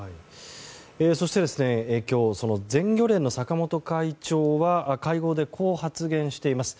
そして今日全漁連の坂本会長は会合で、こう発言しています。